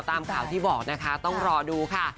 ตามข่าวที่บอกนะคะต้องรอดูค่ะ